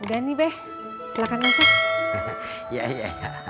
udah nih beh silakan masuk ya ya